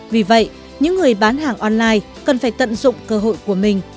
vì vậy những người bán hàng online cần phải tận dụng cơ hội của mình